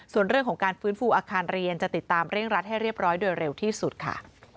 ส่วนเรื่องของการฟื้นฟูอาคารเรียนจะติดตามเร่งรัดให้เรียบร้อยโดยเร็วที่สุดค่ะ